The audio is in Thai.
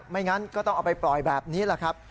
งั้นก็ต้องเอาไปปล่อยแบบนี้แหละครับ